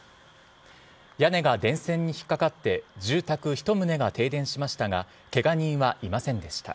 屋根が電線に引っかかって、住宅１棟が停電しましたが、けが人はいませんでした。